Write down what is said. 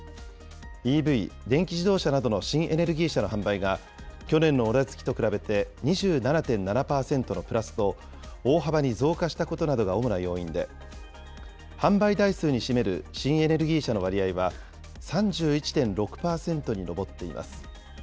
ＥＶ・電気自動車などの新エネルギー車の販売が、去年の同じ月と比べて２７．７％のプラスと大幅に増加したことなどが主な要因で、販売台数に占める新エネルギー車の割合は、３１．６％に上っています。